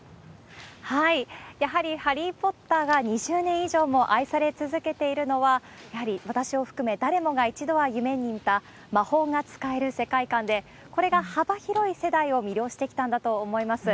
やはりハリー・ポッターが２０年以上も愛され続けているのは、やはり私を含め、誰もが一度は夢に見た魔法が使える世界観で、これが幅広い世代を魅了してきたんだと思います。